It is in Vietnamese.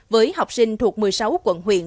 với học sinh thuộc một mươi sáu quận huyện